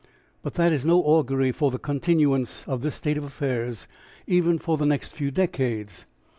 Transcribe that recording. But that is no augury for the continuance of this state of affairs even for the next few decades.